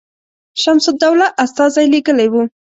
شمس الدوله استازی لېږلی وو.